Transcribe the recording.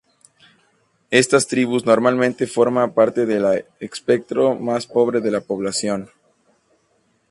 Estas tribus, normalmente forma parte del espectro más pobre de la población.